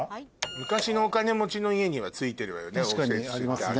昔のお金持ちの家にはついてるわよね応接室って。